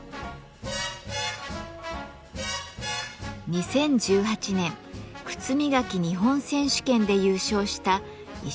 ２０１８年「靴磨き日本選手権」で優勝した石見さんのお店。